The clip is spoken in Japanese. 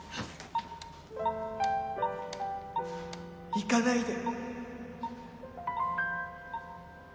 逝かないで！